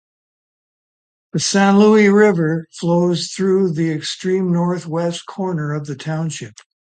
The Saint Louis River flows through the extreme northwest corner of the township.